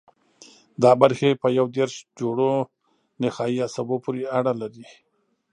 دا برخې په یو دېرش جوړو نخاعي عصبو پورې اړه لري.